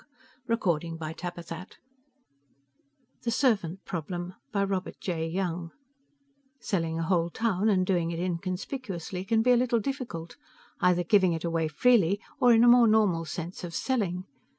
pgdp.net The Servant Problem Selling a whole town, and doing it inconspicuously, can be a little difficult ... either giving it away freely, or in a more normal sense of "selling".